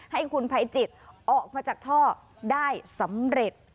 ให้คุณภัยจิตออกมาจากท่อได้สำเร็จ